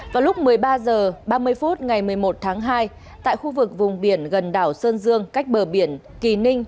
vào lúc một mươi ba h ba mươi phút ngày một mươi một tháng hai tại khu vực vùng biển gần đảo sơn dương cách bờ biển kỳ ninh